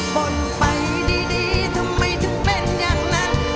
บ่นไปดีทำไมถึงเป็นอย่างนั้น